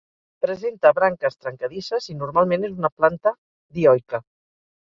Presenta branques trencadisses i normalment és una planta dioica.